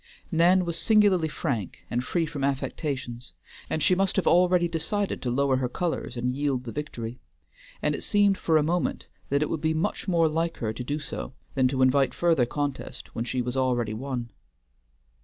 Nan was singularly frank, and free from affectations, and she might have already decided to lower her colors and yield the victory, and it seemed for a moment that it would be much more like her to do so, than to invite further contest when she was already won.